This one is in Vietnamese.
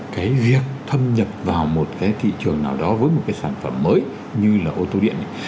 cái việc thâm nhập vào một cái thị trường nào đó với một cái sản phẩm mới như là ô tô điện